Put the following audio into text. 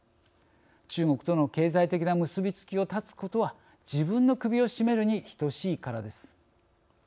中国との経済的な結びつきを絶つことは自分の首を絞めるに等しいからです。